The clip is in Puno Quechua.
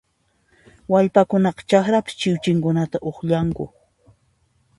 Wallpakunaqa chakrapis chiwchinkunata uqllanku